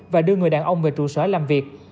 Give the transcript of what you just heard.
và đưa người đàn ông về trụ sở làm việc